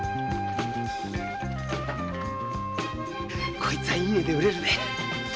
こいつはいい値で売れるぜ。